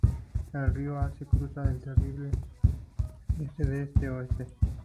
El río Hase cruza el territorio deste el este al oeste.